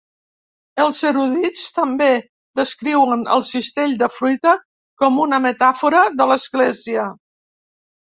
Els erudits també descriuen el cistell de fruita com una metàfora de l'església.